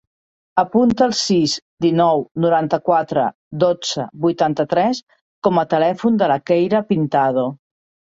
Apunta el sis, dinou, noranta-quatre, dotze, vuitanta-tres com a telèfon de la Keira Pintado.